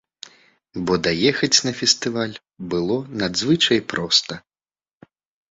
Бо даехаць на фестываль было надзвычай проста.